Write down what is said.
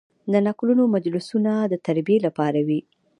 د نکلونو مجلسونه د تربیې لپاره دي.